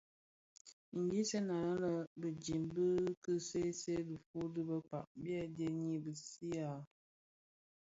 Nghisèn anèn bimid bi ki see see dhifuu di bekpag kè dhëňi bisi a.